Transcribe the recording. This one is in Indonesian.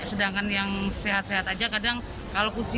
sedangkan yang sehat sehat aja kadang kalau kucing